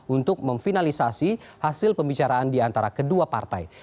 untuk memfinalisasi hasil pembicaraan di antara kedua partai